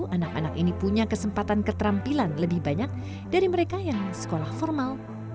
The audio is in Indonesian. anak anak ini punya kesempatan keterampilan lebih banyak dari mereka yang sekolah formal